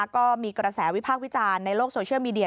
ก็มีกระแสวิพากษ์วิจารณ์ในโลกโซเชียลมีเดีย